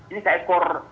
ini kayak kor